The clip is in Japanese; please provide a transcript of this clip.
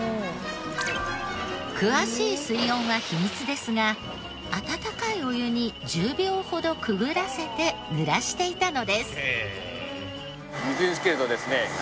詳しい水温は秘密ですが温かいお湯に１０秒ほどくぐらせてぬらしていたのです。